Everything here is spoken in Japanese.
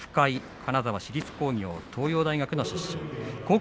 金沢市立高校東洋大学出身。